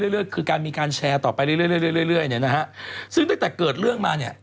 ต่อไปเรื่อยคือการมีการแชร์ต่อไปเรื่อยซึ่งตั้งแต่เกิดเรื่องมาเนี่ย